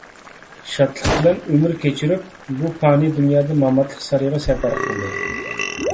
شادلىق بىلەن ئۆمۈر كەچۈرۈپ، بۇ پانىي دۇنيادىن ماماتلىق سارىيىغا سەپەر قىلدى.